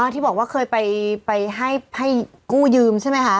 ที่บอกว่าเคยไปให้กู้ยืมใช่ไหมคะ